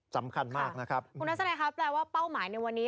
สำคัญมากนะครับคุณทัศนัยครับแปลว่าเป้าหมายในวันนี้